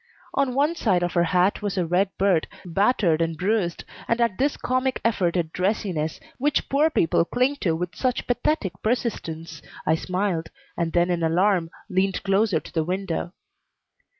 On one side of her hat was a red bird, battered and bruised, and at this comic effort at dressiness, which poor people cling to with such pathetic persistence, I smiled, and then in alarm leaned closer to the window.